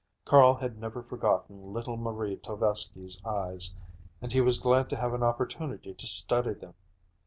Carl had never forgotten little Marie Tovesky's eyes, and he was glad to have an opportunity to study them.